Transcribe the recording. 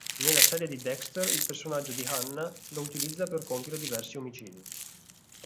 Nella serie di Dexter il personaggio di Hanna lo utilizza per compiere diversi omicidi.